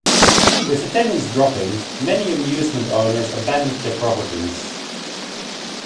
With attendance dropping, many amusement owners abandoned their properties.